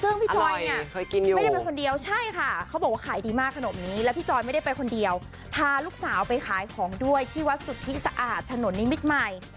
ซึ่งพี่จอยเนี่ยไม่ได้ไปคนเดียวใช่ค่ะเขาบอกว่าขายดีมากขนมนี้แล้วพี่จอยไม่ได้ไปคนเดียวพาลูกสาวไปขายของด้วยที่วัดสุทธิสะอาดถนนนิมิตรใหม่